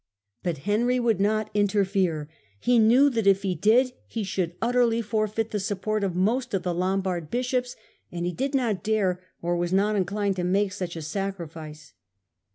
But Henry would not interfere : he knew that if he did he should utterly ^ forfeit the support of most of the Lombard bishops, and he did not dare, or was not inclined, to make such a sacrifice.